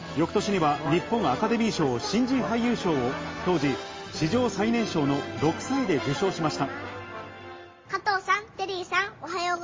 翌年には日本アカデミー賞新人俳優賞を当時、史上最年少の６歳で受賞しました。